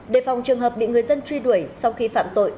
đề phòng trường hợp bị người dân truy đuổi sau khi phạm tội